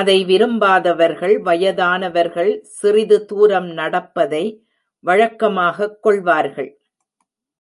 அதை விரும்பாதவர்கள், வயதானவர்கள் சிறிது தூரம் நடப்பதை வழக்கமாகக் கொள்வார்கள்.